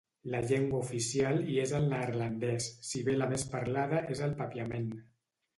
La llengua oficial hi és el neerlandès, si bé la més parlada és el papiament.